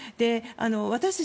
私たち